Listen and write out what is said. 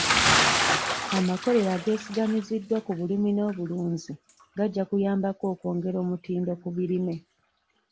Amakolero ageesigamiziddwa ku bulimi n'obulunzi gajja kuyambako okwongera omutindo ku birime.